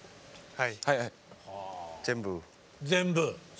はい。